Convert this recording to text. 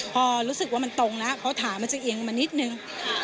พอรู้สึกว่ามันตรงแล้วเขาถามมันจะเอียงมานิดนึง